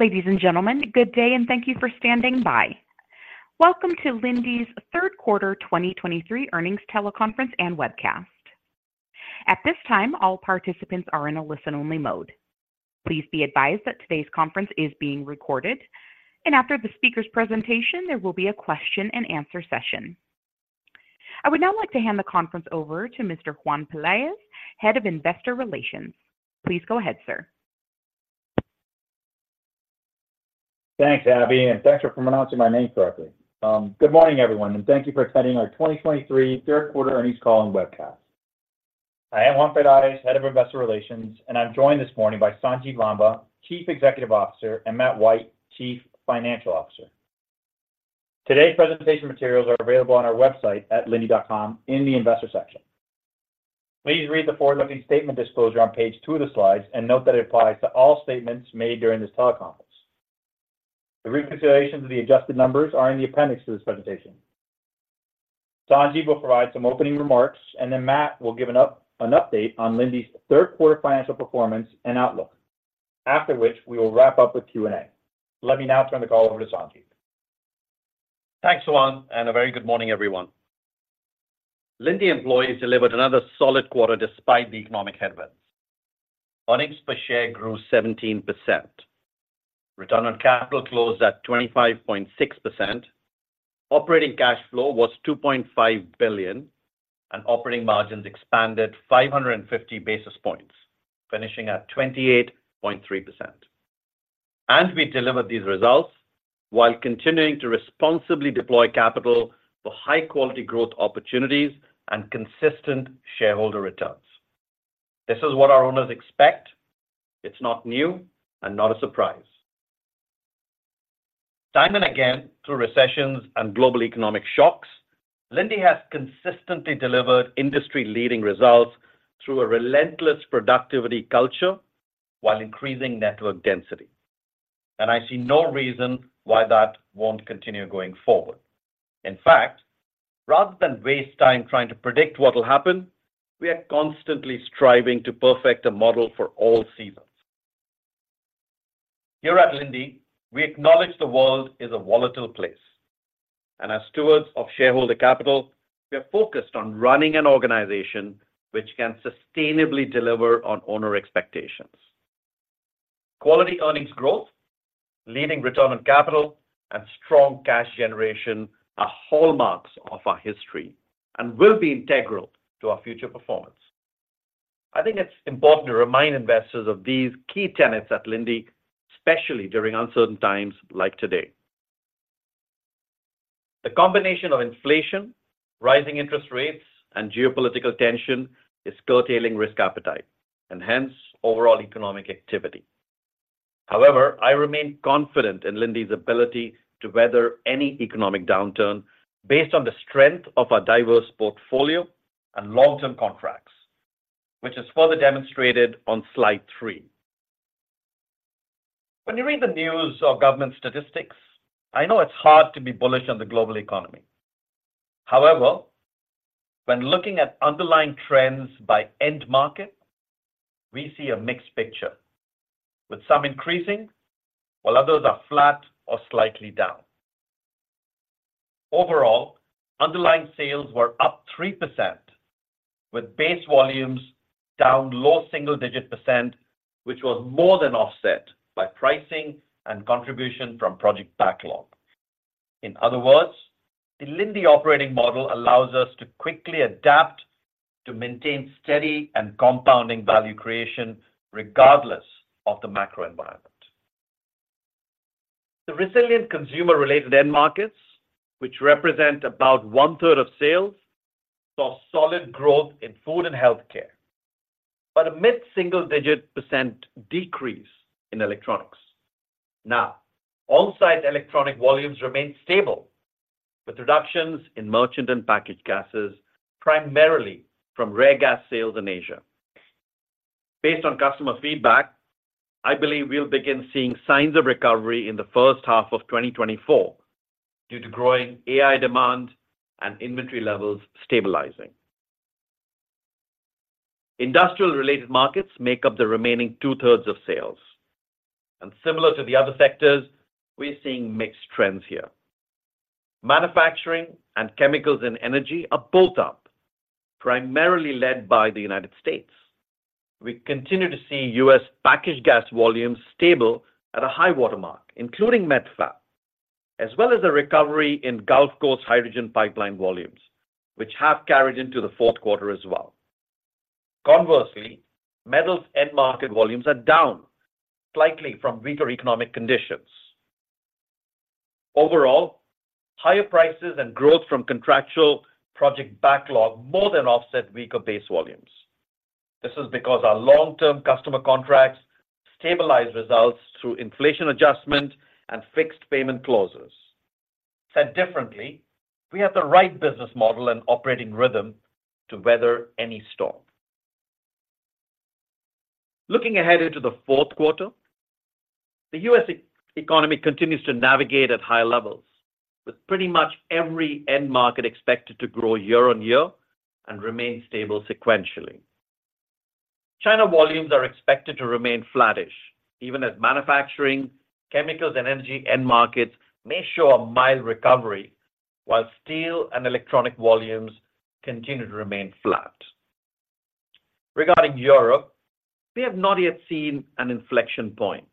Ladies and gentlemen, good day, and thank you for standing by. Welcome to Linde's third quarter 2023 earnings teleconference and webcast. At this time, all participants are in a listen-only mode. Please be advised that today's conference is being recorded, and after the speaker's presentation, there will be a question-and-answer session. I would now like to hand the conference over to Mr. Juan Pelaez, Head of Investor Relations. Please go ahead, sir. Thanks, Abby, and thanks for pronouncing my name correctly. Good morning, everyone, and thank you for attending our 2023 third quarter earnings call and webcast. I am Juan Pelaez, Head of Investor Relations, and I'm joined this morning by Sanjiv Lamba, Chief Executive Officer, and Matt White, Chief Financial Officer. Today's presentation materials are available on our website at linde.com in the Investor section. Please read the forward-looking statement disclosure on page two of the slides and note that it applies to all statements made during this teleconference. The reconciliations of the adjusted numbers are in the appendix to this presentation. Sanjiv will provide some opening remarks, and then Matt will give an update on Linde's third quarter financial performance and outlook. After which, we will wrap up with Q&A. Let me now turn the call over to Sanjiv. Thanks, Juan, and a very good morning, everyone. Linde employees delivered another solid quarter despite the economic headwinds. Earnings per share grew 17%. Return on capital closed at 25.6%. Operating cash flow was $2.5 billion, and operating margins expanded 550 basis points, finishing at 28.3%. We delivered these results while continuing to responsibly deploy capital for high-quality growth opportunities and consistent shareholder returns. This is what our owners expect. It's not new and not a surprise. Time and again, through recessions and global economic shocks, Linde has consistently delivered industry-leading results through a relentless productivity culture while increasing network density, and I see no reason why that won't continue going forward. In fact, rather than waste time trying to predict what will happen, we are constantly striving to perfect a model for all seasons. Here at Linde, we acknowledge the world is a volatile place, and as stewards of shareholder capital, we are focused on running an organization which can sustainably deliver on owner expectations. Quality earnings growth, leading return on capital, and strong cash generation are hallmarks of our history and will be integral to our future performance. I think it's important to remind investors of these key tenets at Linde, especially during uncertain times like today. The combination of inflation, rising interest rates, and geopolitical tension is curtailing risk appetite and hence, overall economic activity. However, I remain confident in Linde's ability to weather any economic downturn based on the strength of our diverse portfolio and long-term contracts, which is further demonstrated on slide three. When you read the news or government statistics, I know it's hard to be bullish on the global economy. However, when looking at underlying trends by end market, we see a mixed picture, with some increasing while others are flat or slightly down. Overall, underlying sales were up 3%, with base volumes down low single-digit %, which was more than offset by pricing and contribution from project backlog. In other words, the Linde operating model allows us to quickly adapt to maintain steady and compounding value creation regardless of the macro environment. The resilient consumer-related end markets, which represent about 1/3 of sales, saw solid growth in food and healthcare, but a mid-single-digit % decrease in electronics. Now, on-site electronic volumes remain stable, with reductions in merchant and packaged gases, primarily from rare gas sales in Asia. Based on customer feedback, I believe we'll begin seeing signs of recovery in the first half of 2024 due to growing AI demand and inventory levels stabilizing. Industrial-related markets make up the remaining 2/3 of sales, and similar to the other sectors, we're seeing mixed trends here. Manufacturing and chemicals and energy are both up, primarily led by the United States. We continue to see U.S. packaged gas volumes stable at a high-water mark, including met fab, as well as a recovery in Gulf Coast hydrogen pipeline volumes, which have carried into the fourth quarter as well. Conversely, metals end-market volumes are down slightly from weaker economic conditions. Overall, higher prices and growth from contractual project backlog more than offset weaker base volumes. This is because our long-term customer contracts stabilize results through inflation adjustment and fixed payment clauses. Said differently, we have the right business model and operating rhythm to weather any storm. Looking ahead into the fourth quarter, the U.S. economy continues to navigate at high levels, with pretty much every end market expected to grow year-on-year and remain stable sequentially. China volumes are expected to remain flattish, even as manufacturing, chemicals, and energy end markets may show a mild recovery, while steel and electronic volumes continue to remain flat. Regarding Europe, we have not yet seen an inflection point,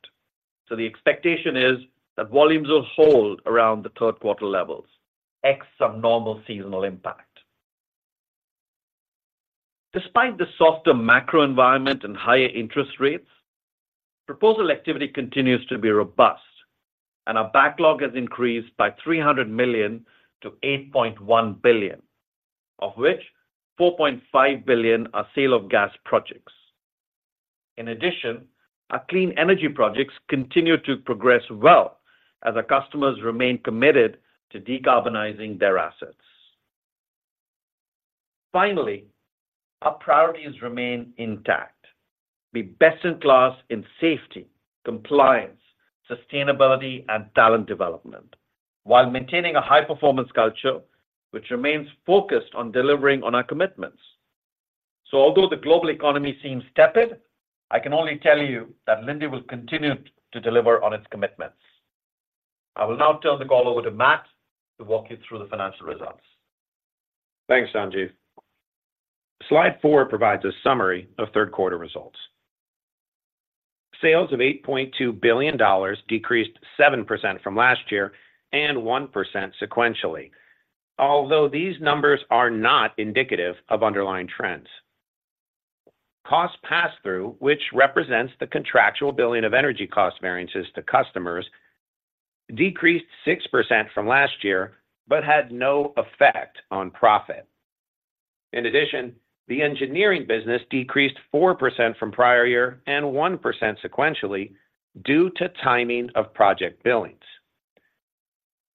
so the expectation is that volumes will hold around the third quarter levels, ex some normal seasonal impact. Despite the softer macro environment and higher interest rates, proposal activity continues to be robust, and our backlog has increased by $300 million to $8.1 billion, of which $4.5 billion are sale of gas projects. In addition, our clean energy projects continue to progress well as our customers remain committed to decarbonizing their assets. Finally, our priorities remain intact. Be best-in-class in safety, compliance, sustainability, and talent development while maintaining a high-performance culture, which remains focused on delivering on our commitments. So although the global economy seems tepid, I can only tell you that Linde will continue to deliver on its commitments. I will now turn the call over to Matt to walk you through the financial results. Thanks, Sanjiv. Slide four provides a summary of third quarter results. Sales of $8.2 billion decreased 7% from last year and 1% sequentially, although these numbers are not indicative of underlying trends. Cost pass-through, which represents the contractual billing of energy cost variances to customers, decreased 6% from last year, but had no effect on profit. In addition, the Engineering business decreased 4% from prior year and 1% sequentially, due to timing of project billings.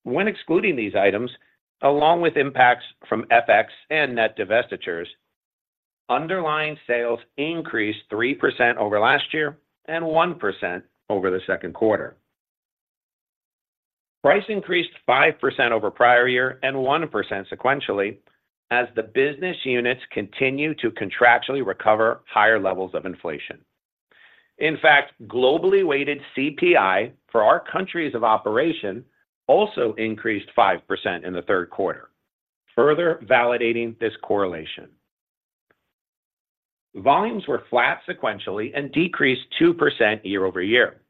When excluding these items, along with impacts from FX and net divestitures, underlying sales increased 3% over last year and 1% over the second quarter. Price increased 5% over prior year and 1% sequentially, as the business units continue to contractually recover higher levels of inflation. In fact, globally-weighted CPI for our countries of operation also increased 5% in the third quarter, further validating this correlation. Volumes were flat sequentially and decreased 2% year-over-year,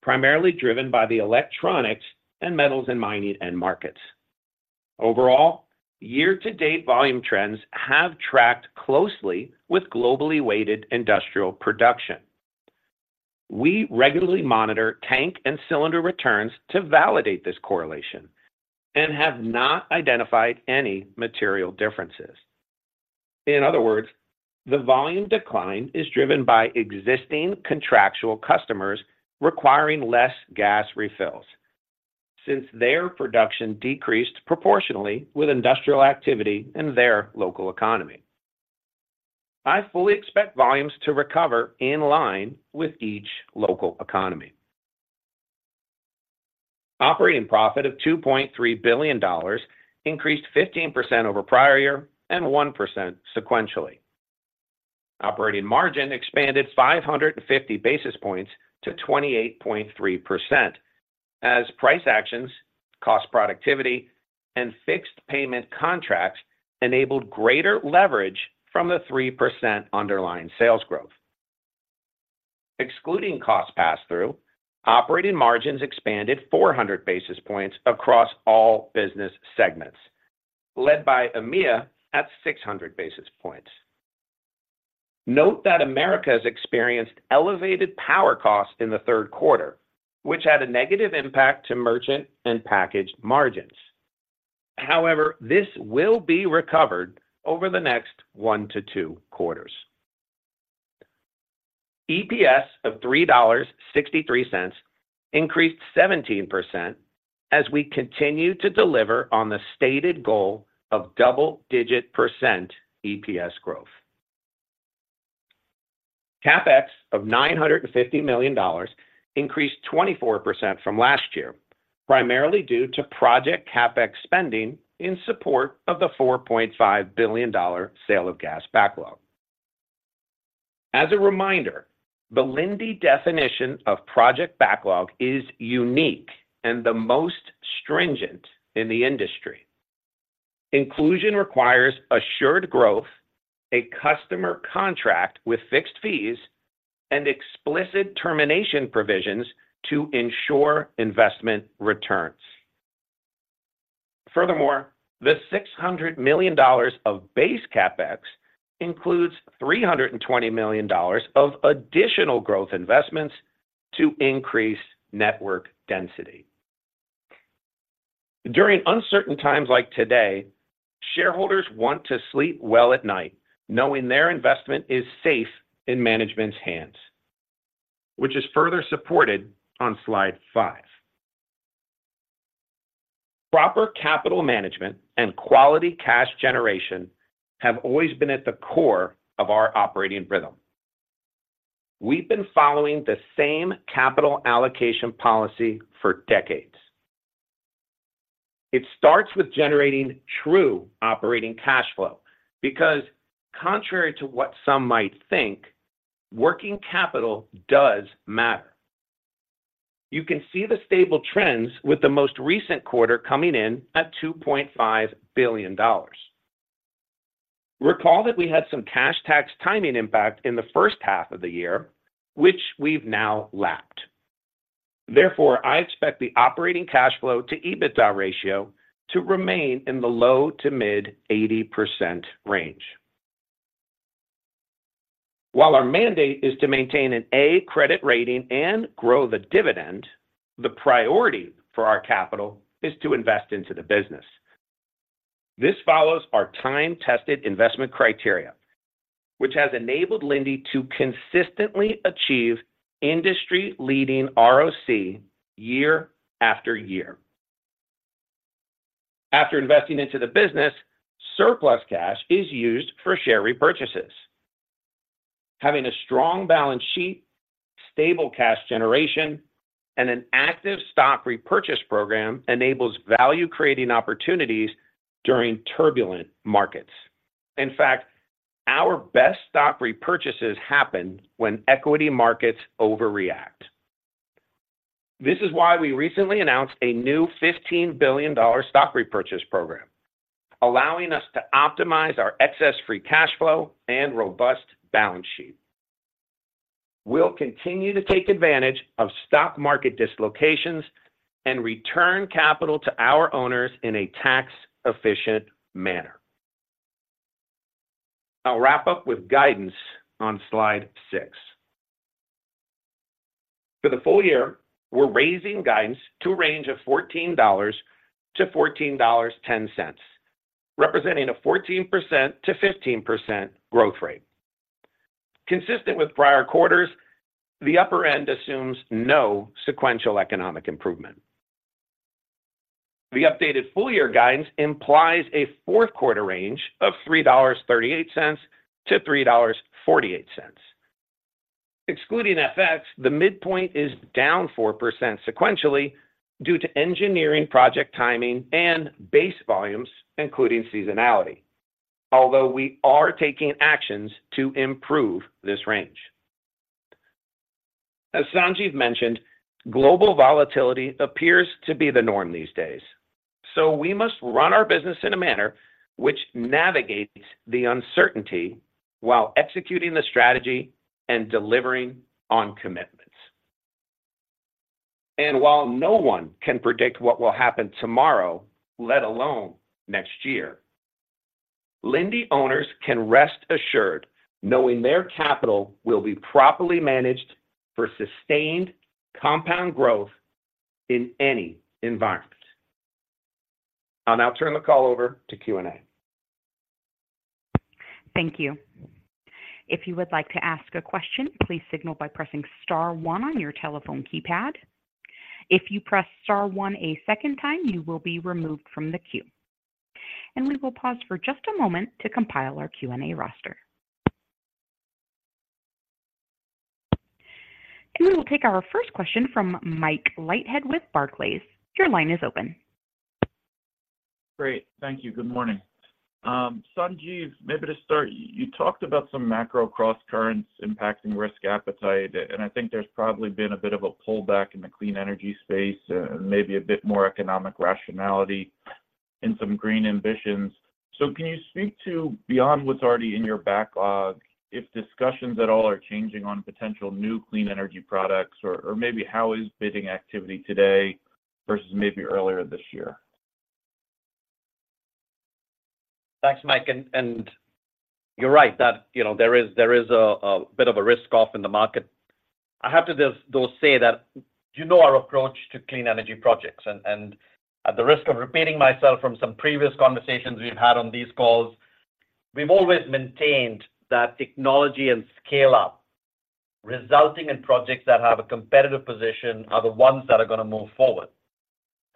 primarily driven by the electronics and metals and mining end markets. Overall, year-to-date volume trends have tracked closely with globally weighted industrial production. We regularly monitor tank and cylinder returns to validate this correlation and have not identified any material differences. In other words, the volume decline is driven by existing contractual customers requiring less gas refills, since their production decreased proportionally with industrial activity in their local economy. I fully expect volumes to recover in line with each local economy. Operating profit of $2.3 billion increased 15% over prior year and 1% sequentially. Operating margin expanded 550 basis points to 28.3%, as price actions, cost productivity, and fixed payment contracts enabled greater leverage from the 3% underlying sales growth. Excluding cost pass-through, operating margins expanded 400 basis points across all business segments, led by EMEA at 600 basis points. Note that Americas experienced elevated power costs in the third quarter, which had a negative impact to merchant and package margins. However, this will be recovered over the next one to two quarters. EPS of $3.63 increased 17% as we continue to deliver on the stated goal of double-digit % EPS growth. CapEx of $950 million increased 24% from last year, primarily due to project CapEx spending in support of the $4.5 billion sale of gas backlog. As a reminder, the Linde definition of project backlog is unique and the most stringent in the industry. Inclusion requires assured growth, a customer contract with fixed fees, and explicit termination provisions to ensure investment returns. Furthermore, the $600 million of base CapEx includes $320 million of additional growth investments to increase network density. During uncertain times like today, shareholders want to sleep well at night knowing their investment is safe in management's hands, which is further supported on slide five. Proper capital management and quality cash generation have always been at the core of our operating rhythm. We've been following the same capital allocation policy for decades. It starts with generating true operating cash flow, because contrary to what some might think, working capital does matter. You can see the stable trends with the most recent quarter coming in at $2.5 billion. Recall that we had some cash tax timing impact in the first half of the year, which we've now lapped. Therefore, I expect the operating cash flow to EBITDA ratio to remain in the low-to-mid 80% range. While our mandate is to maintain an A credit rating and grow the dividend, the priority for our capital is to invest into the business. This follows our time-tested investment criteria, which has enabled Linde to consistently achieve industry-leading ROC year after year. After investing into the business, surplus cash is used for share repurchases. Having a strong balance sheet, stable cash generation, and an active stock repurchase program enables value-creating opportunities during turbulent markets. In fact, our best stock repurchases happen when equity markets overreact. This is why we recently announced a new $15 billion stock repurchase program, allowing us to optimize our excess free cash flow and robust balance sheet. We'll continue to take advantage of stock market dislocations and return capital to our owners in a tax-efficient manner. I'll wrap up with guidance on slide six. For the full year, we're raising guidance to a range of $14 to $14.10, representing a 14%-15% growth rate. Consistent with prior quarters, the upper end assumes no sequential economic improvement. The updated full year guidance implies a fourth quarter range of $3.38-$3.48. Excluding FX, the midpoint is down 4% sequentially due to Engineering project timing and base volumes, including seasonality. Although we are taking actions to improve this range. As Sanjiv mentioned, global volatility appears to be the norm these days, so we must run our business in a manner which navigates the uncertainty while executing the strategy and delivering on commitments. And while no one can predict what will happen tomorrow, let alone next year, Linde owners can rest assured knowing their capital will be properly managed for sustained compound growth in any environment. I'll now turn the call over to Q&A. Thank you. If you would like to ask a question, please signal by pressing star one on your telephone keypad. If you press star one a second time, you will be removed from the queue. We will pause for just a moment to compile our Q&A roster. We will take our first question from Mike Leithead with Barclays. Your line is open. Great. Thank you. Good morning. Sanjiv, maybe to start, you talked about some macro crosscurrents impacting risk appetite, and I think there's probably been a bit of a pullback in the clean energy space, maybe a bit more economic rationality in some green ambitions. So can you speak to, beyond what's already in your backlog, if discussions at all are changing on potential new clean energy products, or, or maybe how is bidding activity today versus maybe earlier this year? Thanks, Mike. And you're right, that, you know, there is a bit of a risk off in the market. I have to just, though, say that you know our approach to clean energy projects, and at the risk of repeating myself from some previous conversations we've had on these calls, we've always maintained that technology and scale-up, resulting in projects that have a competitive position, are the ones that are going to move forward.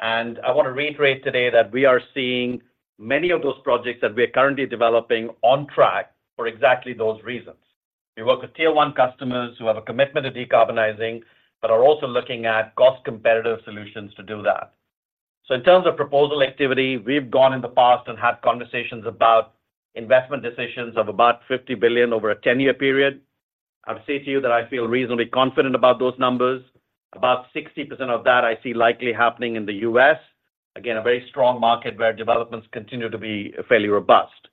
And I want to reiterate today that we are seeing many of those projects that we are currently developing on track for exactly those reasons. We work with Tier 1 customers who have a commitment to decarbonizing, but are also looking at cost-competitive solutions to do that. So in terms of proposal activity, we've gone in the past and had conversations about investment decisions of about $50 billion over a 10-year period. I would say to you that I feel reasonably confident about those numbers. About 60% of that I see likely happening in the U.S. Again, a very strong market where developments continue to be fairly robust.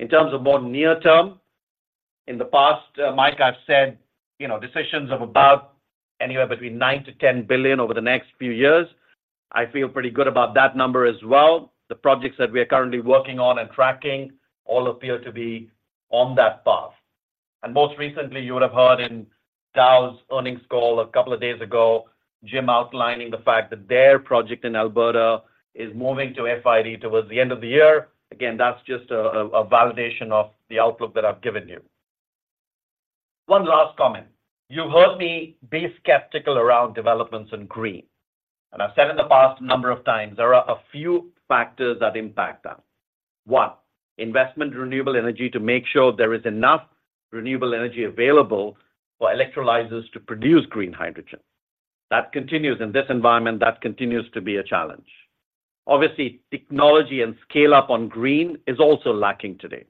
In terms of more near term, in the past, Mike, I've said, you know, decisions of about anywhere between $9 billion-$10 billion over the next few years. I feel pretty good about that number as well. The projects that we are currently working on and tracking all appear to be on that path. Most recently, you would have heard in Dow's earnings call a couple of days ago, Jim outlining the fact that their project in Alberta is moving to FID towards the end of the year. Again, that's just a validation of the outlook that I've given you. One last comment. You've heard me be skeptical around developments in green, and I've said in the past a number of times, there are a few factors that impact that. One, investment in renewable energy to make sure there is enough renewable energy available for electrolyzers to produce green hydrogen. That continues in this environment, that continues to be a challenge. Obviously, technology and scale-up on green is also lacking today.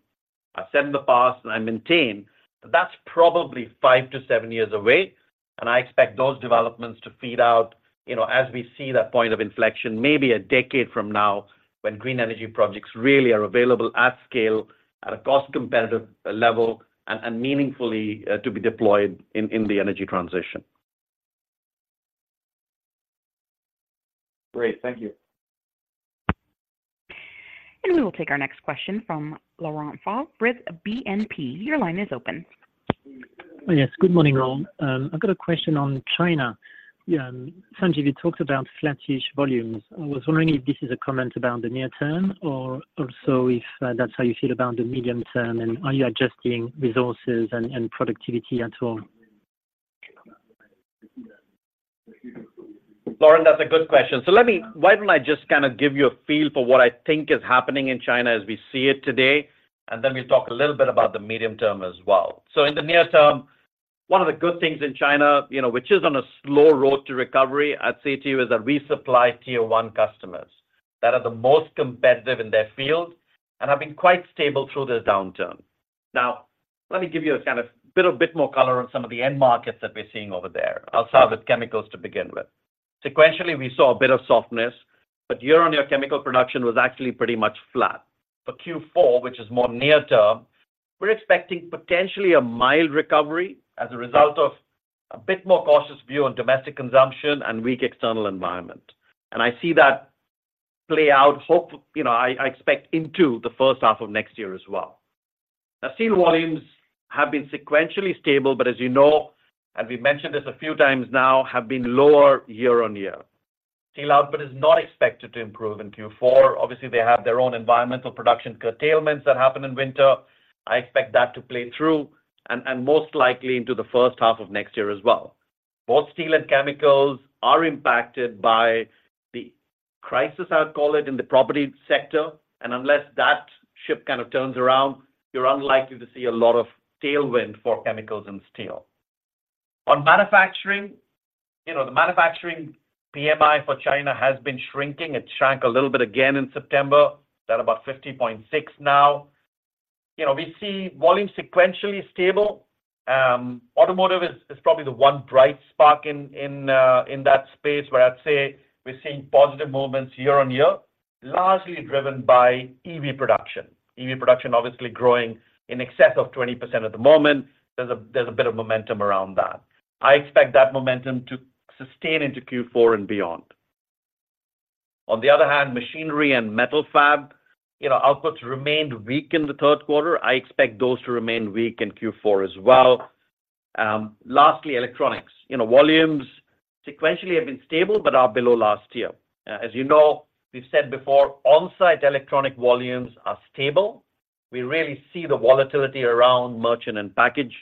I've said in the past, and I maintain, that's probably five to seven years away, and I expect those developments to play out, you know, as we see that point of inflection, maybe a decade from now, when green energy projects really are available at scale at a cost-competitive level and meaningfully to be deployed in the energy transition. Great. Thank you. We will take our next question from Laurent Favre with BNP Paribas. Your line is open. Oh, yes. Good morning, all. I've got a question on China. Sanjiv, you talked about flattish volumes. I was wondering if this is a comment about the near term, or also if that's how you feel about the medium term, and are you adjusting resources and productivity at all? Laurent, that's a good question. So why don't I just kind of give you a feel for what I think is happening in China as we see it today, and then we talk a little bit about the medium term as well. So in the near term, one of the good things in China, you know, which is on a slow road to recovery, I'd say to you, is that we supply Tier 1 customers that are the most competitive in their field and have been quite stable through this downturn. Now, let me give you a kind of bit, a bit more color on some of the end markets that we're seeing over there. I'll start with chemicals to begin with. Sequentially, we saw a bit of softness, but year-on-year chemical production was actually pretty much flat. For Q4, which is more near term, we're expecting potentially a mild recovery as a result of a bit more cautious view on domestic consumption and weak external environment. And I see that play out. You know, I expect into the first half of next year as well. Now, steel volumes have been sequentially stable, but as you know, and we've mentioned this a few times now, have been lower year on year. Steel output is not expected to improve in Q4. Obviously, they have their own environmental production curtailments that happen in winter. I expect that to play through and most likely into the first half of next year as well. Both steel and chemicals are impacted by the crisis, I'll call it, in the property sector, and unless that ship kind of turns around, you're unlikely to see a lot of tailwind for chemicals and steel. On manufacturing, you know, the manufacturing PMI for China has been shrinking. It shrank a little bit again in September, down about 50.6 now. You know, we see volumes sequentially stable. Automotive is probably the one bright spark in that space, where I'd say we're seeing positive movements year-on-year, largely driven by EV production. EV production obviously growing in excess of 20% at the moment. There's a bit of momentum around that. I expect that momentum to sustain into Q4 and beyond. On the other hand, machinery and metal fab, you know, outputs remained weak in the third quarter. I expect those to remain weak in Q4 as well. Lastly, electronics. You know, volumes sequentially have been stable but are below last year. As you know, we've said before, on-site electronic volumes are stable. We really see the volatility around merchant and package,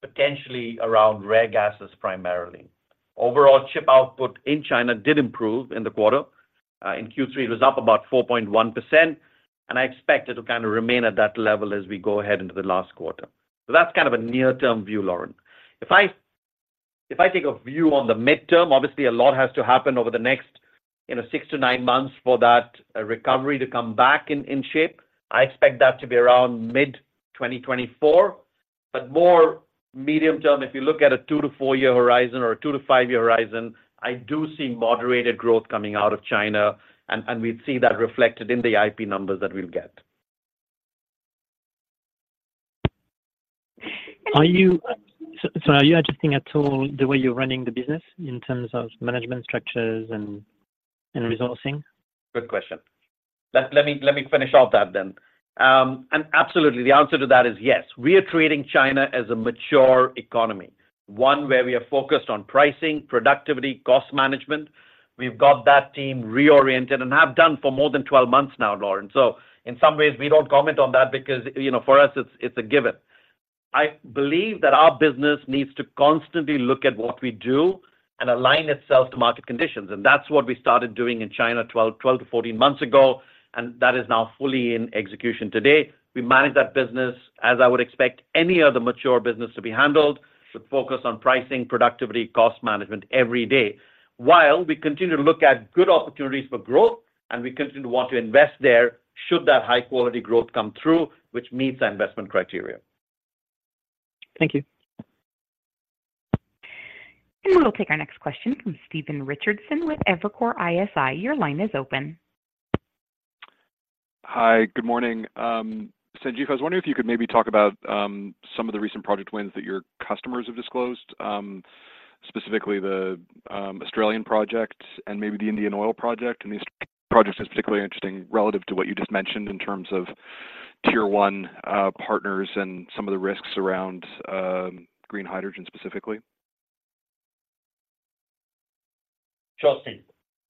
potentially around rare gases primarily. Overall, chip output in China did improve in the quarter. In Q3, it was up about 4.1%, and I expect it to kind of remain at that level as we go ahead into the last quarter. So that's kind of a near-term view, Laurent. If I take a view on the midterm, obviously a lot has to happen over the next, you know, six to nine months for that recovery to come back in shape. I expect that to be around mid-2024. But more medium term, if you look at a two to four-year horizon or a two to five-year horizon, I do see moderated growth coming out of China, and we'd see that reflected in the IP numbers that we'll get. So, are you adjusting at all the way you're running the business in terms of management structures and resourcing? Good question. Let me finish off that then. And absolutely, the answer to that is yes. We are treating China as a mature economy, one where we are focused on pricing, productivity, cost management. We've got that team reoriented and have done for more than 12 months now, Laurent. So in some ways, we don't comment on that because, you know, for us, it's, it's a given. I believe that our business needs to constantly look at what we do and align itself to market conditions, and that's what we started doing in China, 12-14 months ago, and that is now fully in execution today. We manage that business as I would expect any other mature business to be handled, to focus on pricing, productivity, cost management every day, while we continue to look at good opportunities for growth, and we continue to want to invest there should that high quality growth come through, which meets our investment criteria. Thank you. We will take our next question from Stephen Richardson with Evercore ISI. Your line is open. Hi, good morning. Sanjiv, I was wondering if you could maybe talk about some of the recent project wins that your customers have disclosed, specifically the Australian project and maybe the Indian Oil project, and these projects are particularly interesting relative to what you just mentioned in terms of Tier 1 partners and some of the risks around green hydrogen specifically. Sure, Steve.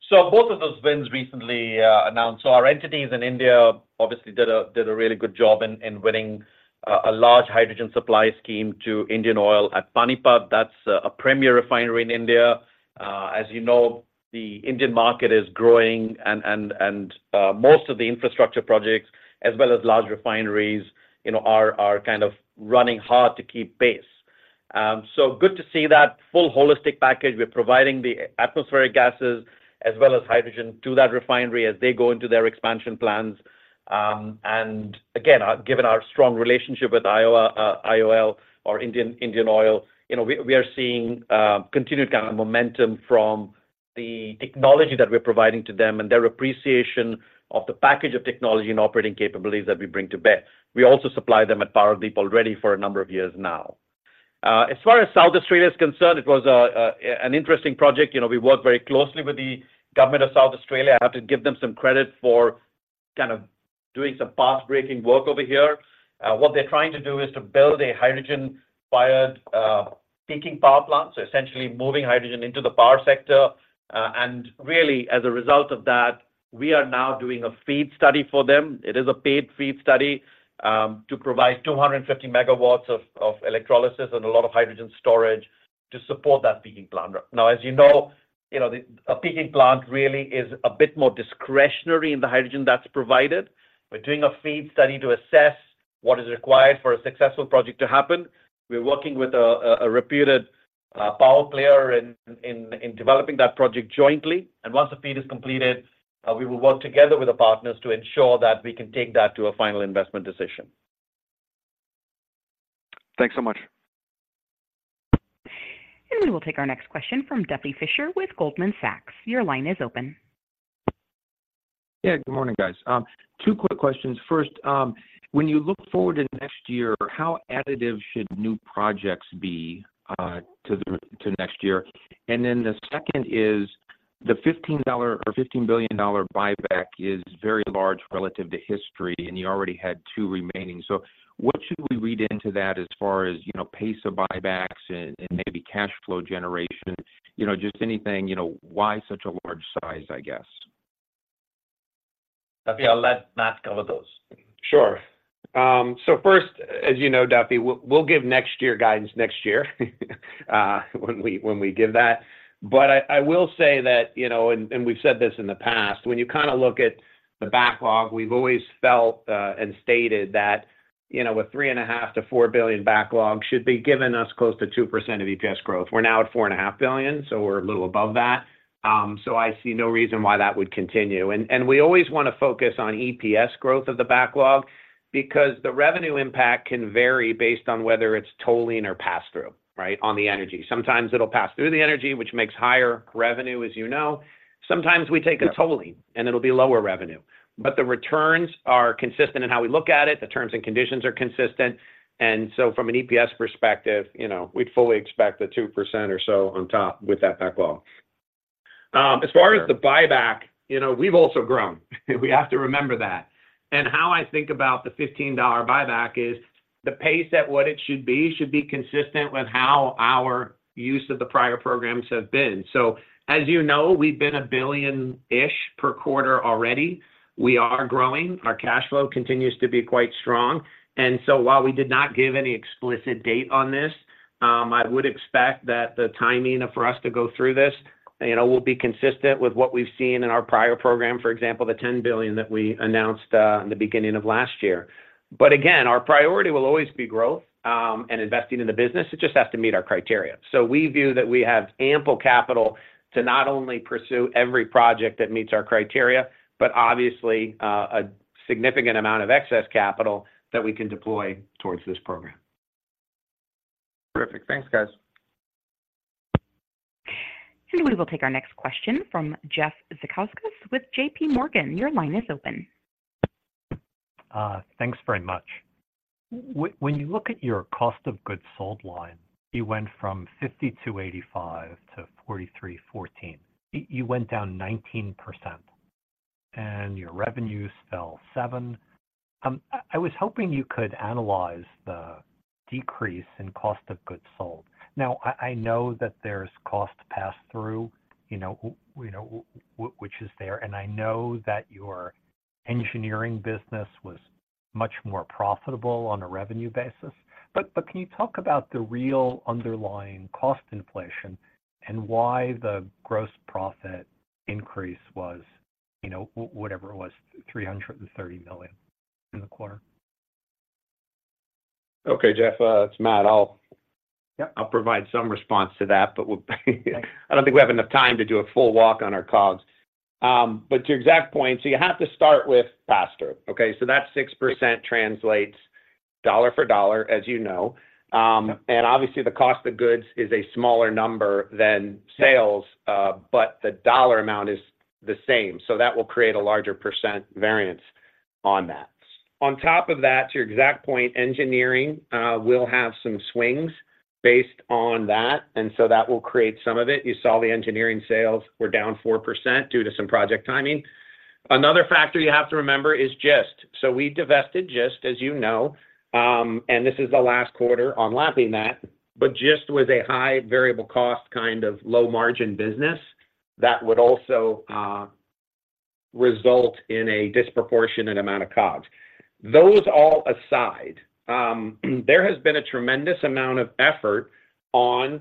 So both of those wins recently announced. So our entities in India obviously did a really good job in winning a large hydrogen supply scheme to Indian Oil at Panipat. That's a premier refinery in India. As you know, the Indian market is growing, and most of the infrastructure projects, as well as large refineries, you know, are kind of running hard to keep pace. So good to see that full holistic package. We're providing the atmospheric gases as well as hydrogen to that refinery as they go into their expansion plans. And again, given our strong relationship with IOL or Indian Oil, you know, we are seeing continued kind of momentum from the technology that we're providing to them and their appreciation of the package of technology and operating capabilities that we bring to bear. We also supply them at Paradip already for a number of years now. As far as South Australia is concerned, it was an interesting project. You know, we worked very closely with the government of South Australia. I have to give them some credit for kind of doing some pathbreaking work over here. What they're trying to do is to build a hydrogen-fired peaking power plant, so essentially moving hydrogen into the power sector. And really, as a result of that, we are now doing a FEED study for them. It is a paid FEED study to provide 250 MW of electrolysis and a lot of hydrogen storage to support that peaking plant. Now, as you know, a peaking plant really is a bit more discretionary in the hydrogen that's provided. We're doing a FEED study to assess what is required for a successful project to happen. We're working with a reputed power player in developing that project jointly, and once the FEED is completed, we will work together with the partners to ensure that we can take that to a final investment decision. Thanks so much. We will take our next question from Duffy Fischer with Goldman Sachs. Your line is open. Yeah, good morning, guys. Two quick questions. First, when you look forward to next year, how additive should new projects be, to the, to next year? And then the second is, the $15 billion buyback is very large relative to history, and you already had two remaining. So what should we read into that as far as, you know, pace of buybacks and, and maybe cash flow generation? You know, just anything, you know, why such a large size, I guess? Duffy, I'll let Matt cover those. Sure. So first, as you know, Duffy, we'll, we'll give next year guidance next year, when we, when we give that. But I, I will say that, you know, and, and we've said this in the past, when you kind of look at the backlog, we've always felt, and stated that, you know, a $3.5 billion-$4 billion backlog should be giving us close to 2% EPS growth. We're now at $4.5 billion, so we're a little above that. So I see no reason why that would continue. And, and we always wanna focus on EPS growth of the backlog because the revenue impact can vary based on whether it's tolling or pass-through, right, on the energy. Sometimes it'll pass through the energy, which makes higher revenue, as you know. Sometimes we take a tolling and it'll be lower revenue. But the returns are consistent in how we look at it, the terms and conditions are consistent, and so from an EPS perspective, you know, we'd fully expect the 2% or so on top with that backlog. As far as the buyback, you know, we've also grown. We have to remember that. And how I think about the $15 buyback is the pace at what it should be, should be consistent with how our use of the prior programs have been. So as you know, we've been $1 billion-ish per quarter already. We are growing. Our cash flow continues to be quite strong. And so while we did not give any explicit date on this, I would expect that the timing for us to go through this, you know, will be consistent with what we've seen in our prior program, for example, the $10 billion that we announced in the beginning of last year. But again, our priority will always be growth, and investing in the business. It just has to meet our criteria. So we view that we have ample capital to not only pursue every project that meets our criteria, but obviously, a significant amount of excess capital that we can deploy towards this program. Terrific. Thanks, guys. We will take our next question from Jeff Zekauskas with JPMorgan. Your line is open. Thanks very much. When you look at your cost of goods sold line, you went from $5,285 to $4,314. You went down 19%, and your revenues fell 7%. I was hoping you could analyze the decrease in cost of goods sold. Now, I know that there's cost pass-through, you know, which is there, and I know that your Engineering business was much more profitable on a revenue basis. Can you talk about the real underlying cost inflation and why the gross profit increase was, you know, whatever it was, $330 million in the quarter? Okay, Jeff, it's Matt. I'll provide some response to that, but I don't think we have enough time to do a full walk on our COGS. But to your exact point, so you have to start with faster, okay? So that 6% translates dollar for dollar, as you know. And obviously, the cost of goods is a smaller number than sales, but the dollar amount is the same, so that will create a larger percent variance on that. On top of that, to your exact point, Engineering will have some swings based on that, and so that will create some of it. You saw the Engineering sales were down 4% due to some project timing. Another factor you have to remember is G&A. So we divested Gist, as you know, and this is the last quarter on lapping that, but Gist was a high variable cost, kind of low-margin business that would also result in a disproportionate amount of COGS. Those all aside, there has been a tremendous amount of effort on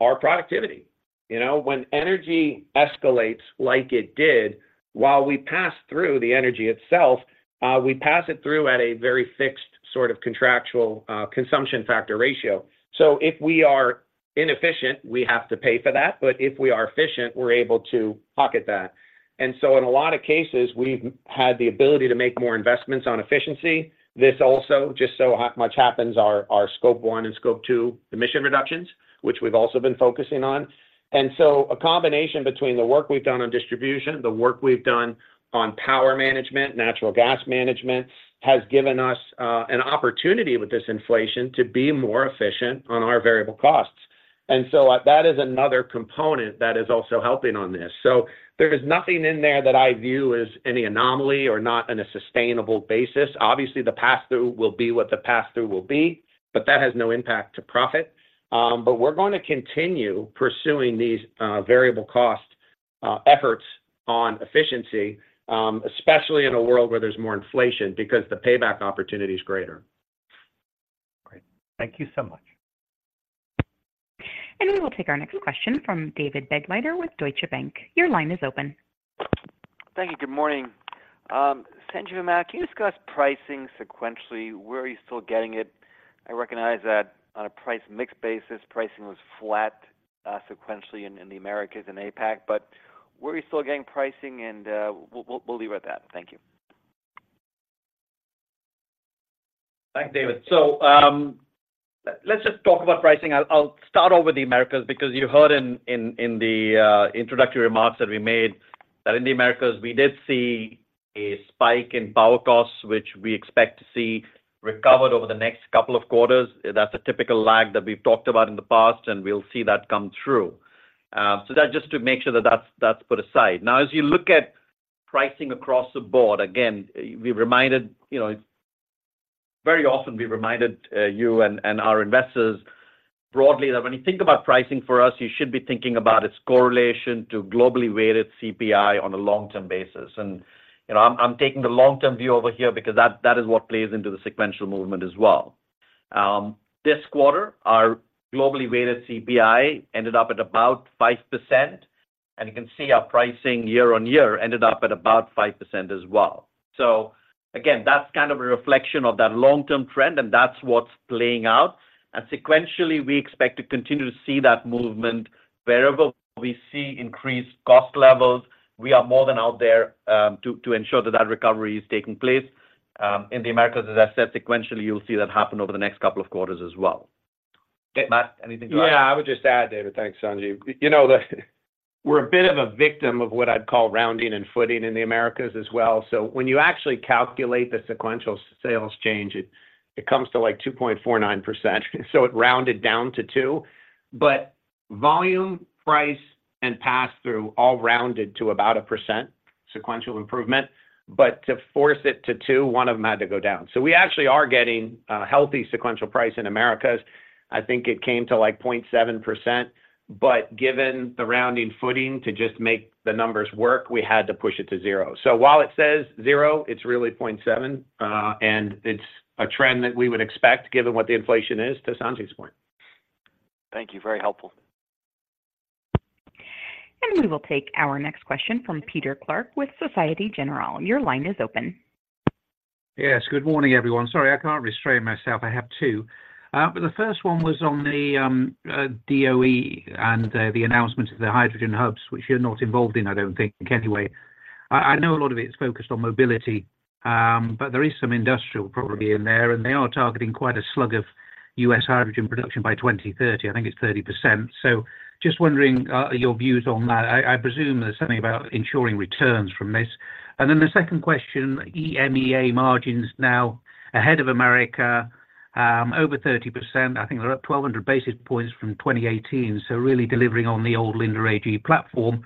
our productivity. You know, when energy escalates like it did, while we pass through the energy itself, we pass it through at a very fixed sort of contractual consumption factor ratio. So if we are inefficient, we have to pay for that, but if we are efficient, we're able to pocket that. And so in a lot of cases, we've had the ability to make more investments on efficiency. This also, just so much happens, our Scope 1 and Scope 2 emission reductions, which we've also been focusing on. So a combination between the work we've done on distribution, the work we've done on power management, natural gas management, has given us an opportunity with this inflation to be more efficient on our variable costs. So that is another component that is also helping on this. So there's nothing in there that I view as any anomaly or not on a sustainable basis. Obviously, the pass-through will be what the pass-through will be, but that has no impact to profit. But we're going to continue pursuing these variable cost efforts on efficiency, especially in a world where there's more inflation, because the payback opportunity is greater. Great. Thank you so much. We will take our next question from David Begleiter with Deutsche Bank. Your line is open. Thank you. Good morning. Sanjiv and Matt, can you discuss pricing sequentially? Where are you still getting it? I recognize that on a price mix basis, pricing was flat sequentially in the Americas and APAC, but where are you still getting pricing? And we'll leave it at that. Thank you. Thank you, David. So, let's just talk about pricing. I'll start off with the Americas, because you heard in the introductory remarks that we made, that in the Americas, we did see a spike in power costs, which we expect to see recovered over the next couple of quarters. That's a typical lag that we've talked about in the past, and we'll see that come through. So that just to make sure that that's put aside. Now, as you look at pricing across the board, again, we're reminded, you know, very often we reminded you and our investors broadly, that when you think about pricing for us, you should be thinking about its correlation to globally weighted CPI on a long-term basis. You know, I'm taking the long-term view over here because that is what plays into the sequential movement as well. This quarter, our globally weighted CPI ended up at about 5%, and you can see our pricing year-on-year ended up at about 5% as well. So again, that's kind of a reflection of that long-term trend, and that's what's playing out. Sequentially, we expect to continue to see that movement. Wherever we see increased cost levels, we are more than out there to ensure that recovery is taking place. In the Americas, as I said, sequentially, you'll see that happen over the next couple of quarters as well. Matt, anything to add? Yeah, I would just add, David, thanks, Sanjiv. You know, we're a bit of a victim of what I'd call rounding and footing in the Americas as well. So when you actually calculate the sequential sales change, it comes to, like, 2.49%, so it rounded down to 2%. But volume, price, and pass-through all rounded to about 1% sequential improvement, but to force it to 2%, one of them had to go down. So we actually are getting a healthy sequential price in Americas. I think it came to, like, 0.7%, but given the rounding footing to just make the numbers work, we had to push it to 0%. So while it says 0%, it's really 0.7%, and it's a trend that we would expect, given what the inflation is, to Sanjiv's point. Thank you. Very helpful. We will take our next question from Peter Clark with Société Générale. Your line is open. Yes. Good morning, everyone. Sorry, I can't restrain myself. I have two. But the first one was on the DOE and the announcement of the hydrogen hubs, which you're not involved in, I don't think, anyway. I know a lot of it's focused on mobility, but there is some industrial probably in there, and they are targeting quite a slug of U.S. hydrogen production by 2030. I think it's 30%. So just wondering your views on that. I presume there's something about ensuring returns from this. And then the second question, EMEA margins now ahead of America, over 30%. I think they're up 1,200 basis points from 2018, so really delivering on the old Linde AG platform.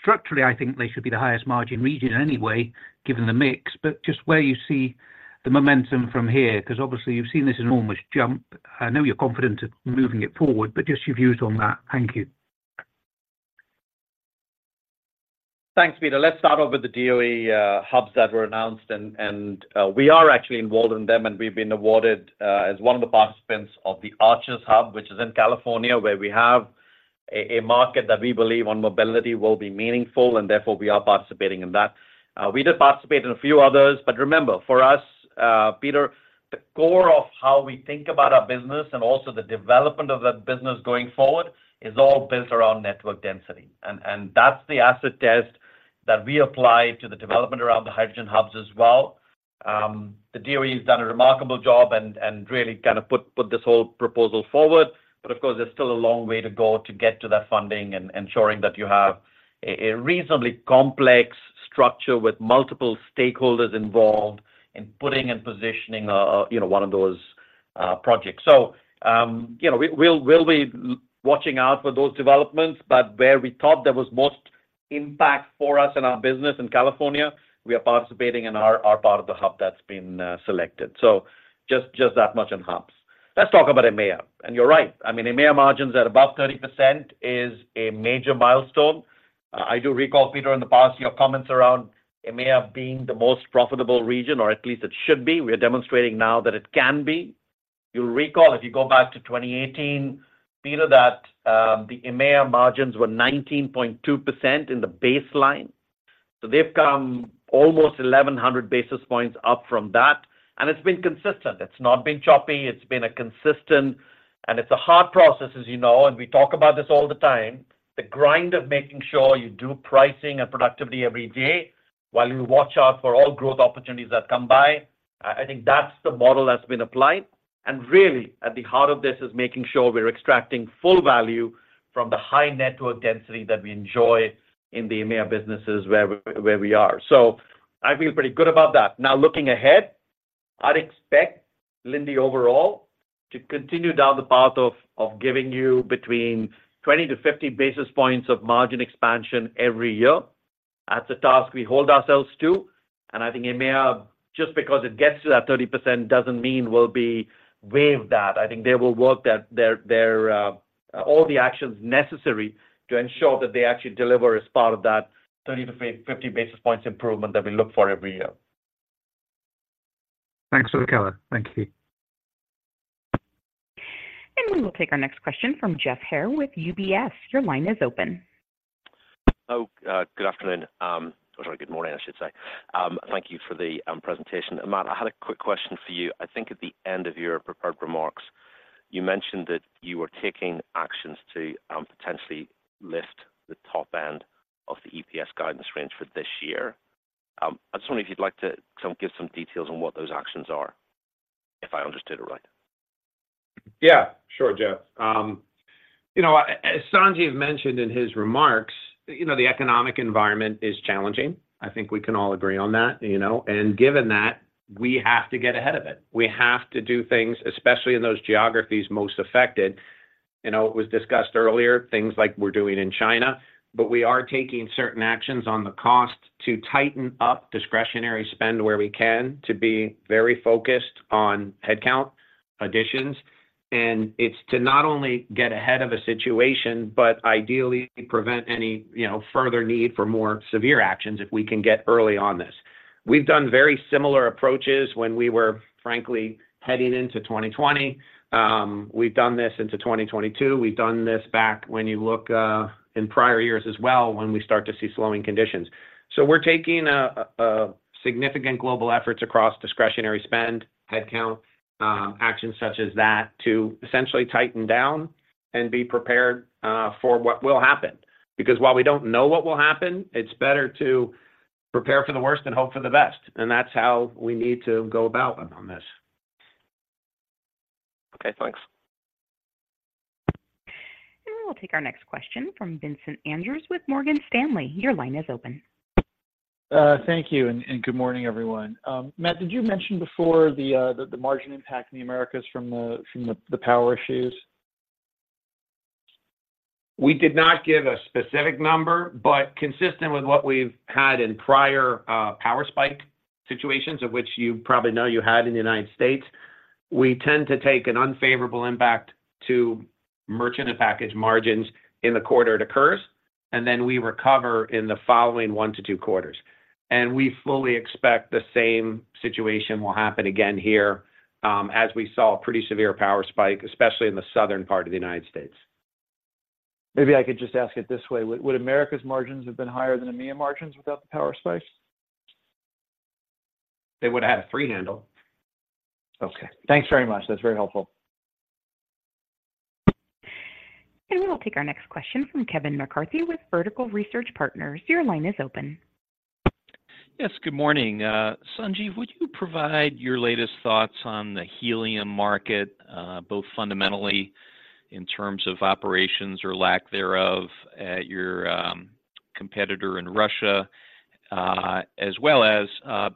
Structurally, I think they should be the highest margin region anyway, given the mix, but just where you see the momentum from here, because obviously, you've seen this enormous jump. I know you're confident in moving it forward, but just your views on that. Thank you. Thanks, Peter. Let's start off with the DOE hubs that were announced, and we are actually involved in them, and we've been awarded as one of the participants of the ARCHES Hub, which is in California, where we have a market that we believe on mobility will be meaningful, and therefore, we are participating in that. We did participate in a few others, but remember, for us, Peter, the core of how we think about our business and also the development of that business going forward is all built around network density. And that's the acid test that we apply to the development around the hydrogen hubs as well. The DOE has done a remarkable job and really kind of put this whole proposal forward, but of course, there's still a long way to go to get to that funding and ensuring that you have a reasonably complex structure with multiple stakeholders involved in putting and positioning, you know, one of those projects. So, you know, we'll be watching out for those developments, but where we thought there was most impact for us and our business in California, we are participating in our part of the hub that's been selected. So just that much on hubs. Let's talk about EMEA. You're right. I mean, EMEA margins at above 30% is a major milestone. I do recall, Peter, in the past, your comments around EMEA being the most profitable region, or at least it should be. We are demonstrating now that it can be. You'll recall, if you go back to 2018, Peter, that, the EMEA margins were 19.2% in the baseline. So they've come almost 1,100 basis points up from that, and it's been consistent. It's not been choppy, it's been a consistent, and it's a hard process, as you know, and we talk about this all the time: the grind of making sure you do pricing and productivity every day while you watch out for all growth opportunities that come by. I think that's the model that's been applied. And really, at the heart of this is making sure we're extracting full value from the high network density that we enjoy in the EMEA businesses where we are. So I feel pretty good about that. Now, looking ahead, I'd expect Linde overall to continue down the path of giving you between 20-50 basis points of margin expansion every year. That's a task we hold ourselves to, and I think EMEA, just because it gets to that 30%, doesn't mean we'll waive that. I think they will work that all the actions necessary to ensure that they actually deliver as part of that 30-50 basis points improvement that we look for every year. Thanks for the color. Thank you. We will take our next question from Geoff Haire with UBS. Your line is open. Good afternoon, or good morning, I should say. Thank you for the presentation. Matt, I had a quick question for you. I think at the end of your prepared remarks, you mentioned that you were taking actions to potentially lift the top end of the EPS guidance range for this year. I just wonder if you'd like to give some details on what those actions are, if I understood it right. Yeah. Sure, Geoff. You know, as Sanjiv mentioned in his remarks, you know, the economic environment is challenging. I think we can all agree on that, you know, and given that, we have to get ahead of it. We have to do things, especially in those geographies most affected. You know, it was discussed earlier, things like we're doing in China, but we are taking certain actions on the cost to tighten up discretionary spend where we can to be very focused on headcount additions. And it's to not only get ahead of a situation, but ideally prevent any, you know, further need for more severe actions if we can get early on this. We've done very similar approaches when we were frankly heading into 2020. We've done this into 2022. We've done this back when you look, in prior years as well, when we start to see slowing conditions. So we're taking significant global efforts across discretionary spend, headcount, actions such as that, to essentially tighten down and be prepared, for what will happen. Because while we don't know what will happen, it's better to prepare for the worst and hope for the best, and that's how we need to go about on this. Okay, thanks. We'll take our next question from Vincent Andrews with Morgan Stanley. Your line is open. Thank you, and good morning, everyone. Matt, did you mention before the margin impact in the Americas from the power issues? We did not give a specific number, but consistent with what we've had in prior, power spike situations, of which you probably know you had in the United States, we tend to take an unfavorable impact to merchant and package margins in the quarter it occurs, and then we recover in the following one to two quarters. We fully expect the same situation will happen again here, as we saw a pretty severe power spike, especially in the southern part of the United States. Maybe I could just ask it this way: Would America's margins have been higher than EMEA margins without the power spikes? They would have had a three handle. Okay. Thanks very much. That's very helpful. We'll take our next question from Kevin McCarthy with Vertical Research Partners. Your line is open. Yes, good morning. Sanjiv, would you provide your latest thoughts on the helium market, both fundamentally in terms of operations or lack thereof at your, competitor in Russia, as well as,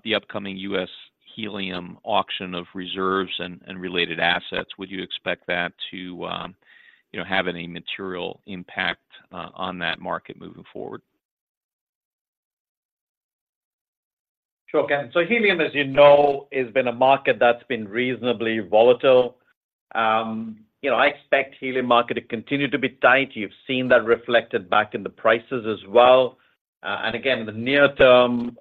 the upcoming U.S. helium auction of reserves and, and related assets? Would you expect that to, you know, have any material impact, on that market moving forward? Sure, Kevin. So helium, as you know, has been a market that's been reasonably volatile. You know, I expect helium market to continue to be tight. You've seen that reflected back in the prices as well. And again, in the near term,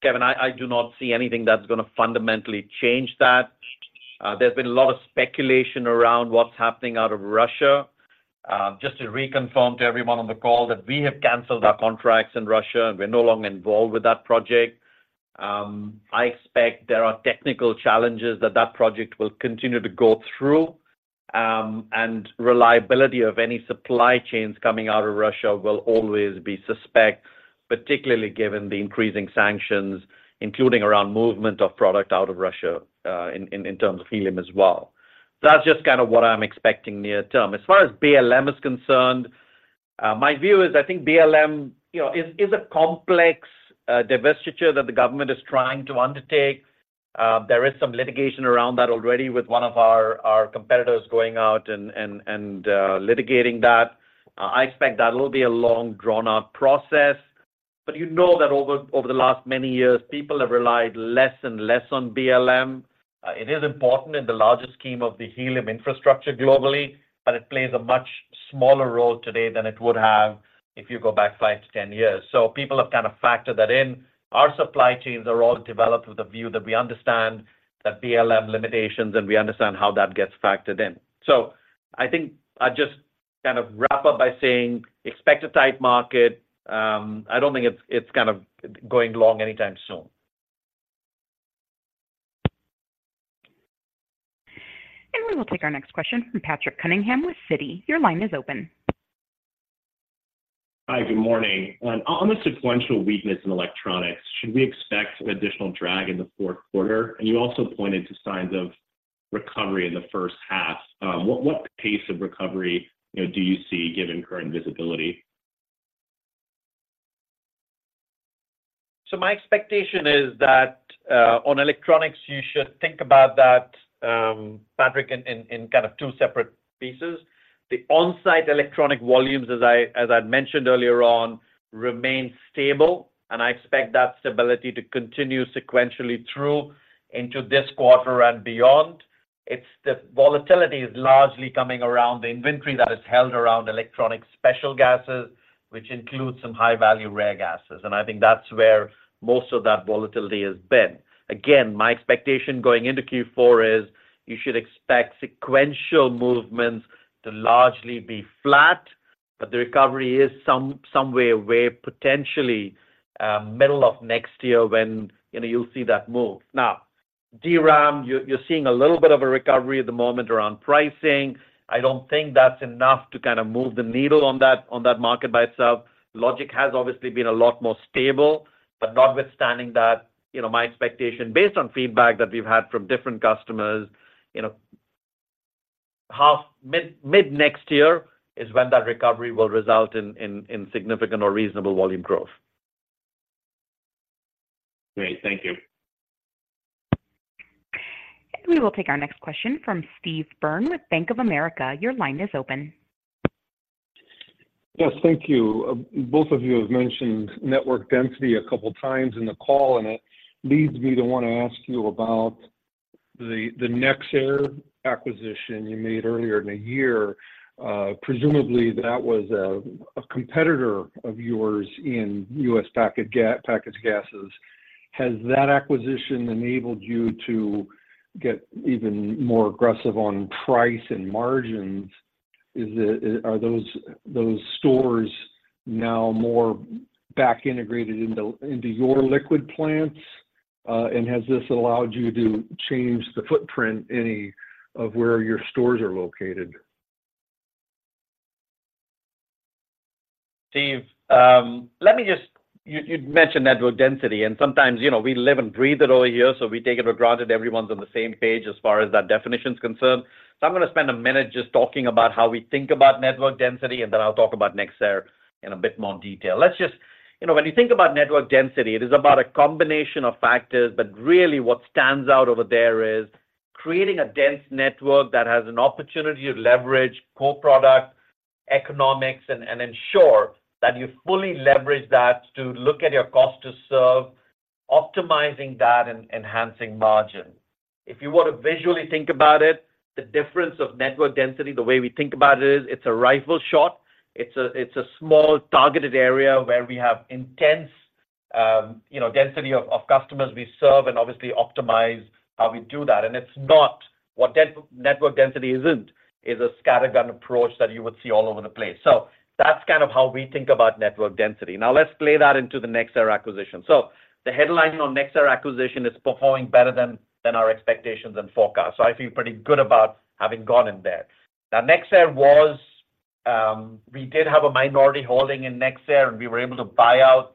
Kevin, I do not see anything that's gonna fundamentally change that. There's been a lot of speculation around what's happening out of Russia. Just to reconfirm to everyone on the call that we have canceled our contracts in Russia, and we're no longer involved with that project. I expect there are technical challenges that that project will continue to go through, and reliability of any supply chains coming out of Russia will always be suspect, particularly given the increasing sanctions, including around movement of product out of Russia, in terms of helium as well. So that's just kind of what I'm expecting near term. As far as BLM is concerned, my view is, I think BLM, you know, is a complex divestiture that the government is trying to undertake. There is some litigation around that already with one of our competitors going out and litigating that. I expect that it'll be a long, drawn-out process. But you know that over the last many years, people have relied less and less on BLM. It is important in the larger scheme of the helium infrastructure globally, but it plays a much smaller role today than it would have if you go back five to 10 years. So people have kind of factored that in. Our supply chains are all developed with the view that we understand the BLM limitations, and we understand how that gets factored in. So I think I'd just kind of wrap up by saying, expect a tight market. I don't think it's kind of going long anytime soon. We will take our next question from Patrick Cunningham with Citi. Your line is open. Hi, good morning. On the sequential weakness in electronics, should we expect some additional drag in the fourth quarter? You also pointed to signs of recovery in the first half. What pace of recovery, you know, do you see, given current visibility? So my expectation is that on electronics, you should think about that, Patrick, in kind of two separate pieces. The onsite electronic volumes, as I'd mentioned earlier on, remain stable, and I expect that stability to continue sequentially through into this quarter and beyond. It's the volatility is largely coming around the inventory that is held around electronic special gases, which includes some high-value rare gases, and I think that's where most of that volatility has been. Again, my expectation going into Q4 is, you should expect sequential movements to largely be flat, but the recovery is somewhere where potentially middle of next year when, you know, you'll see that move. Now, DRAM, you're seeing a little bit of a recovery at the moment around pricing. I don't think that's enough to kind of move the needle on that market by itself. Logic has obviously been a lot more stable, but notwithstanding that, you know, my expectation, based on feedback that we've had from different customers, you know, mid-next year is when that recovery will result in significant or reasonable volume growth. Great. Thank you. We will take our next question from Steve Byrne with Bank of America. Your line is open. Yes, thank you. Both of you have mentioned network density a couple of times in the call, and it leads me to want to ask you about the, the nexAir acquisition you made earlier in the year. Presumably, that was a, a competitor of yours in U.S. packaged gases. Has that acquisition enabled you to get even more aggressive on price and margins? Is it, are those, those stores now more back integrated into, into your liquid plants, and has this allowed you to change the footprint any of where your stores are located? Steve, let me just... You'd mentioned network density, and sometimes, you know, we live and breathe it over here, so we take it for granted everyone's on the same page as far as that definition is concerned. So I'm going to spend a minute just talking about how we think about network density, and then I'll talk about nexAir in a bit more detail. Let's just, you know, when you think about network density, it is about a combination of factors, but really what stands out over there is creating a dense network that has an opportunity to leverage co-product economics, and ensure that you fully leverage that to look at your cost to serve, optimizing that, and enhancing margin. If you were to visually think about it, the difference of network density, the way we think about it is, it's a rifle shot. It's a small, targeted area where we have intense, you know, density of customers we serve and obviously optimize how we do that. And it's not. What network density isn't is a scattergun approach that you would see all over the place. So that's kind of how we think about network density. Now, let's play that into the nexAir acquisition. So the headline on nexAir acquisition is performing better than our expectations and forecasts. So I feel pretty good about having gone in there. Now, nexAir was, we did have a minority holding in nexAir, and we were able to buy out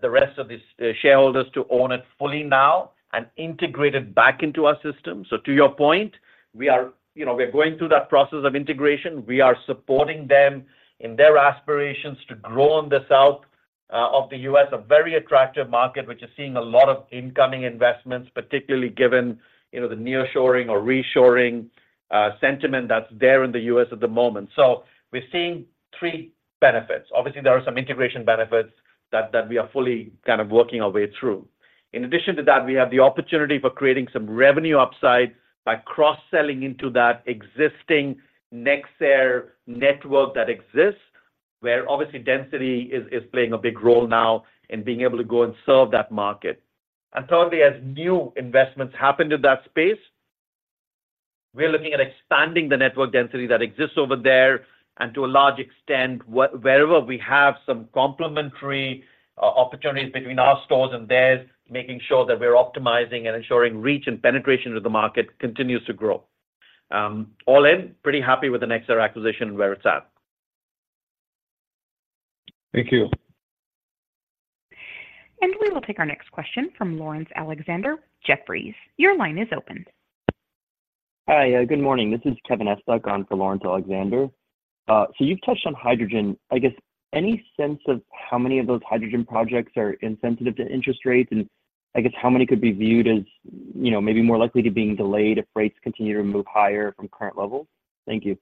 the rest of the shareholders to own it fully now and integrate it back into our system. So to your point, we are, you know, we're going through that process of integration. We are supporting them in their aspirations to grow in the South of the U.S., a very attractive market, which is seeing a lot of incoming investments, particularly given, you know, the nearshoring or reshoring sentiment that's there in the U.S. at the moment. So we're seeing three benefits. Obviously, there are some integration benefits that we are fully kind of working our way through. In addition to that, we have the opportunity for creating some revenue upside by cross-selling into that existing nexAir network that exists, where obviously density is playing a big role now in being able to go and serve that market. Thirdly, as new investments happen in that space, we are looking at expanding the network density that exists over there, and to a large extent, wherever we have some complementary opportunities between our stores and theirs, making sure that we're optimizing and ensuring reach and penetration to the market continues to grow. All in, pretty happy with the nexAir acquisition, where it's at. Thank you. We will take our next question from Laurence Alexander, Jefferies. Your line is open. Hi, good morning. This is Kevin Estok on for Laurence Alexander. So you've touched on hydrogen. I guess, any sense of how many of those hydrogen projects are insensitive to interest rates? And I guess, how many could be viewed as, you know, maybe more likely to being delayed if rates continue to move higher from current levels? Thank you.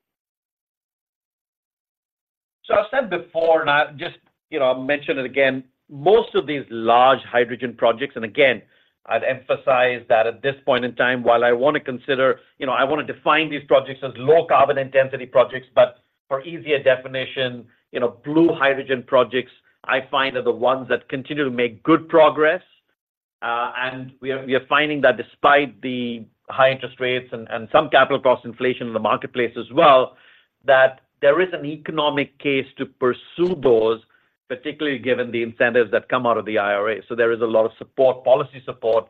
.So I've said before, and I just, you know, I'll mention it again, most of these large hydrogen projects, and again, I'd emphasize that at this point in time, while I wanna consider, you know, I wanna define these projects as low carbon intensity projects, but for easier definition, you know, blue hydrogen projects, I find are the ones that continue to make good progress. And we are finding that despite the high interest rates and some capital cost inflation in the marketplace as well, that there is an economic case to pursue those, particularly given the incentives that come out of the IRA. So there is a lot of support, policy support,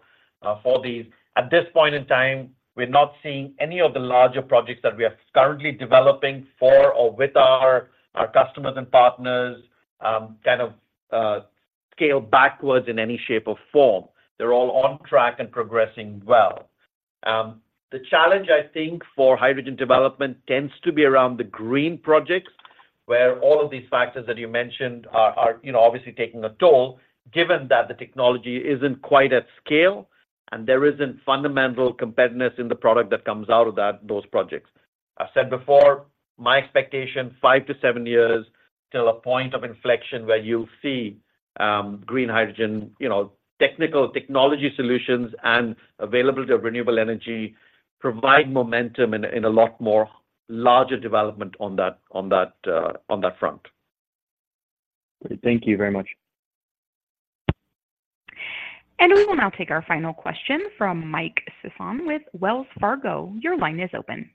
for these. At this point in time, we're not seeing any of the larger projects that we are currently developing for or with our customers and partners kind of scale backwards in any shape or form. They're all on track and progressing well. The challenge, I think, for hydrogen development tends to be around the green projects, where all of these factors that you mentioned are you know obviously taking a toll, given that the technology isn't quite at scale, and there isn't fundamental competitiveness in the product that comes out of that, those projects. I've said before, my expectation, five to seven years, till a point of inflection where you'll see green hydrogen you know technical technology solutions and availability of renewable energy provide momentum in a lot more larger development on that front. Thank you very much. We will now take our final question from Mike Sison with Wells Fargo. Your line is open.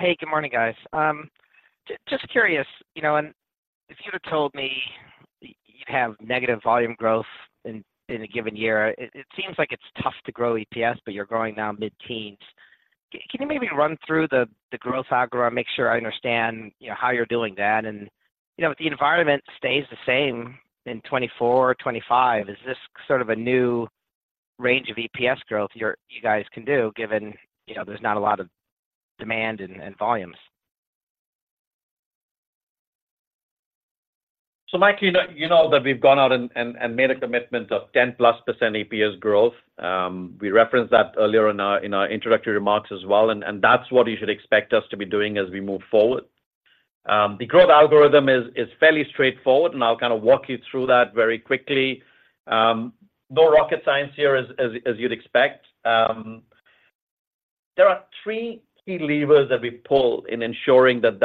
Hey, good morning, guys. Just curious, you know, and if you'd have told me you'd have negative volume growth in a given year, it seems like it's tough to grow EPS, but you're growing now mid-teens. Can you maybe run through the growth algorithm, make sure I understand, you know, how you're doing that? And, you know, if the environment stays the same in 2024, 2025, is this sort of a new range of EPS growth you guys can do, given, you know, there's not a lot of demand and volumes? Mike, you know, you know that we've gone out and made a commitment of 10%+ EPS growth. We referenced that earlier in our introductory remarks as well, and that's what you should expect us to be doing as we move forward. The growth algorithm is fairly straightforward, and I'll kind of walk you through that very quickly. No rocket science here, as you'd expect. There are three key levers that we pull in ensuring that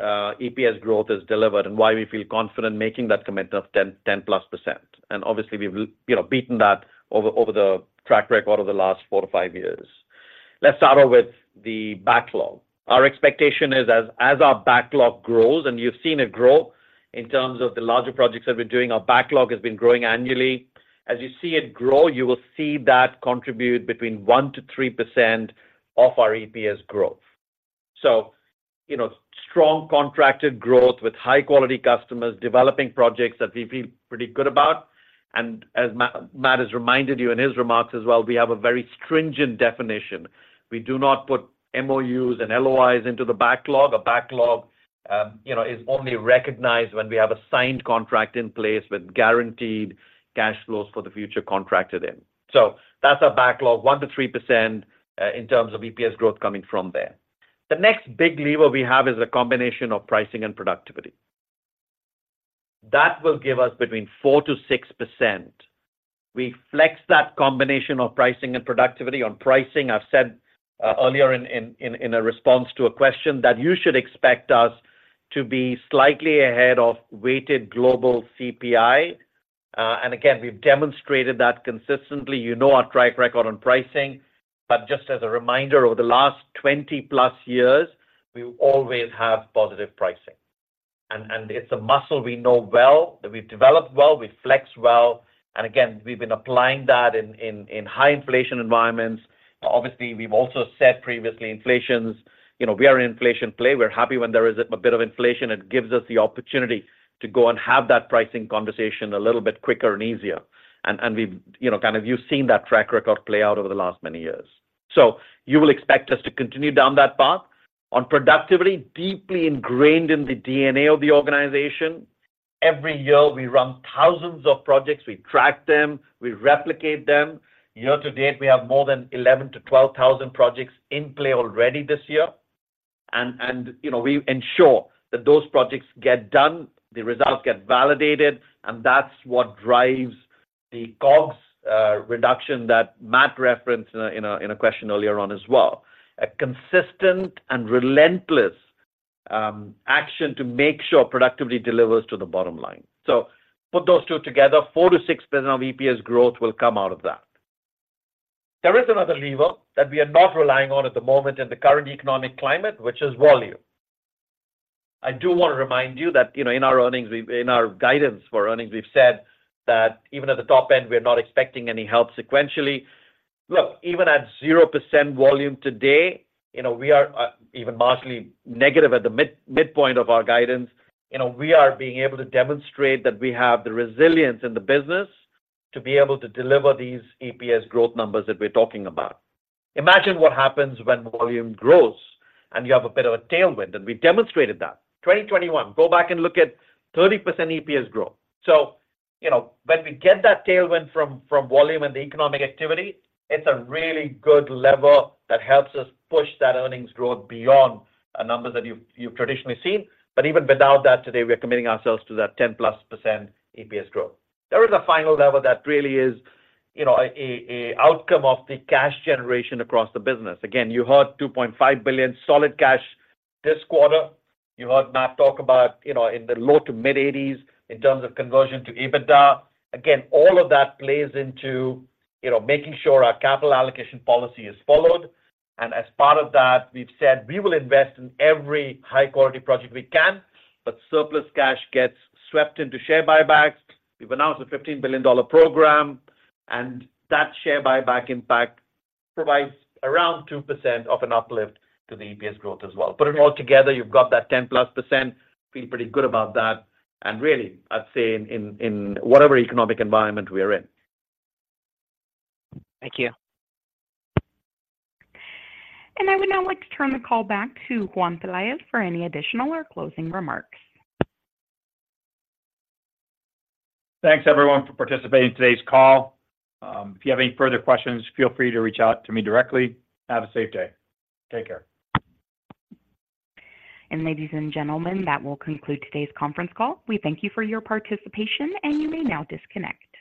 EPS growth is delivered and why we feel confident making that commitment of 10%+. Obviously, we've beaten that over the track record of the last four to five years. Let's start off with the backlog. Our expectation is as our backlog grows, and you've seen it grow in terms of the larger projects that we're doing, our backlog has been growing annually. As you see it grow, you will see that contribute between 1%-3% of our EPS growth. So, you know, strong contracted growth with high quality customers, developing projects that we feel pretty good about. And as Matt has reminded you in his remarks as well, we have a very stringent definition. We do not put MOUs and LOIs into the backlog. A backlog, you know, is only recognized when we have a signed contract in place with guaranteed cash flows for the future contracted in. So that's our backlog, 1%-3%, in terms of EPS growth coming from there. The next big lever we have is a combination of pricing and productivity. That will give us between 4%-6%. We flex that combination of pricing and productivity. On pricing, I've said earlier in a response to a question, that you should expect us to be slightly ahead of weighted global CPI. And again, we've demonstrated that consistently. You know our track record on pricing, but just as a reminder, over the last 20+ years, we've always had positive pricing. And it's a muscle we know well, that we've developed well, we flex well, and again, we've been applying that in high inflation environments. Obviously, we've also said previously, inflations, you know, we are in inflation play. We're happy when there is a bit of inflation. It gives us the opportunity to go and have that pricing conversation a little bit quicker and easier. And we've, you know, kind of you've seen that track record play out over the last many years. So you will expect us to continue down that path. On productivity, deeply ingrained in the DNA of the organization, every year, we run thousands of projects. We track them, we replicate them. Year to date, we have more than 11,000-12,000 projects in play already this year. And, you know, we ensure that those projects get done, the results get validated, and that's what drives the COGS reduction that Matt referenced in a question earlier on as well. A consistent and relentless action to make sure productivity delivers to the bottom line. So put those two together, 4%-6% of EPS growth will come out of that. There is another lever that we are not relying on at the moment in the current economic climate, which is volume. I do want to remind you that, you know, in our guidance for earnings, we've said that even at the top end, we're not expecting any help sequentially. Look, even at 0% volume today, you know, we are even marginally negative at the mid-midpoint of our guidance, you know, we are being able to demonstrate that we have the resilience in the business to be able to deliver these EPS growth numbers that we're talking about. Imagine what happens when volume grows, and you have a bit of a tailwind, and we demonstrated that. 2021, go back and look at 30% EPS growth. So, you know, when we get that tailwind from volume and the economic activity, it's a really good lever that helps us push that earnings growth beyond a number that you've traditionally seen. But even without that, today, we are committing ourselves to that 10%+ EPS growth. There is a final lever that really is, you know, a outcome of the cash generation across the business. Again, you heard $2.5 billion solid cash this quarter. You heard Matt talk about, you know, in the low-to-mid-80% in terms of conversion to EBITDA. Again, all of that plays into, you know, making sure our capital allocation policy is followed. And as part of that, we've said we will invest in every high-quality project we can, but surplus cash gets swept into share buybacks. We've announced a $15 billion program, and that share buyback impact provides around 2% of an uplift to the EPS growth as well. Put it all together, you've got that 10%+. Feel pretty good about that. And really, I'd say in whatever economic environment we are in. Thank you. I would now like to turn the call back to Juan Peláez for any additional or closing remarks. Thanks, everyone, for participating in today's call. If you have any further questions, feel free to reach out to me directly. Have a safe day. Take care. Ladies and gentlemen, that will conclude today's conference call. We thank you for your participation, and you may now disconnect.